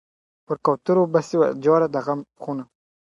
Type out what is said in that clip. پر کوترو به سوه جوړه د غم خونه ,